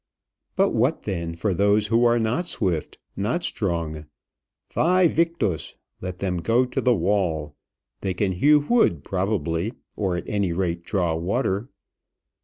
But what, then, for those who are not swift, not strong? Væ victis! Let them go to the wall. They can hew wood probably; or, at any rate, draw water.